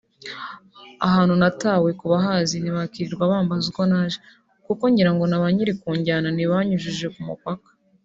Ahantu natawe kubahazi ntibakwirirwa bambaza uko naje kuko ngirango na ba nyiri kunjyana ntibanyujije ku mupaka